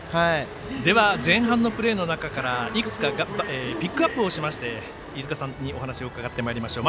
では、前半のプレーの中からいくつかピックアップをしまして飯塚さんにお話を伺ってまいりましょう。